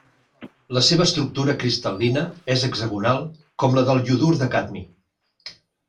La seva estructura cristal·lina és hexagonal, com la del iodur de cadmi.